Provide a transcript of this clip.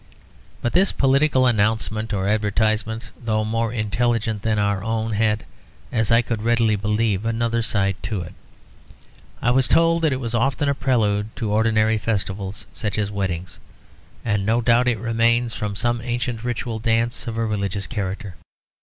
But this political announcement or advertisement, though more intelligent than our own, had, as I could readily believe, another side to it. I was told that it was often a prelude to ordinary festivals, such as weddings; and no doubt it remains from some ancient ritual dance of a religious character.